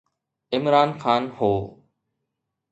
عمران خان هو.